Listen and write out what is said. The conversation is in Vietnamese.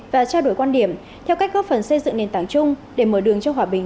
và trao đổi quan điểm theo cách góp phần xây dựng nền tảng chung để mở đường cho hòa bình